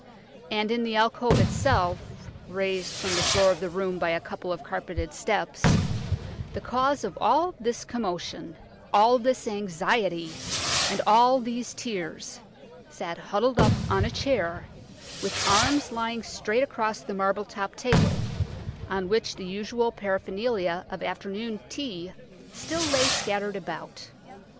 And in the alcove itself, raised from the floor of the room by a couple of carpeted steps, the cause of all this commotion, all this anxiety, and all these tears, sat huddled up on a chair, with arms lying straight across the marble topped table, on which the usual paraphernalia of afternoon tea still lay scattered about.